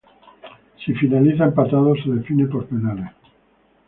Si finaliza empatado, se define por penales.